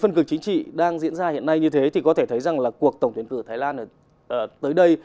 phân cực chính trị đang diễn ra hiện nay như thế thì có thể thấy rằng là cuộc tổng tuyển cử thái lan tới đây